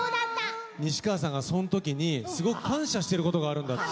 西川さんがそんときにすごく感謝してることがあるんだって。